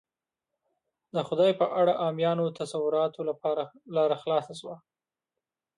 د خدای په اړه عامیانه تصوراتو لپاره لاره خلاصه شوه.